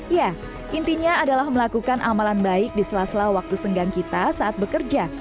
ya intinya adalah melakukan amalan baik di sela sela waktu senggang kita saat bekerja